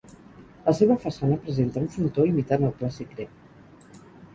La seva façana presenta un frontó imitant el clàssic grec.